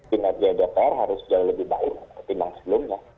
kinerja jpr harus jalan lebih baik dari sebelumnya